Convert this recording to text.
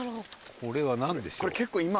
これは何でしょう？